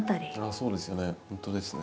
そうですよね。